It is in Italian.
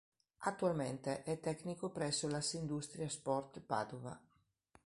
Attualmente è tecnico presso l'Assindustria Sport Padova.